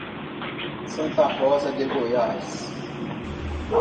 Santa Rosa de Goiás